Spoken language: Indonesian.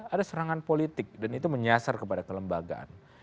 ada serangan politik dan itu menyasar kepada kelembagaan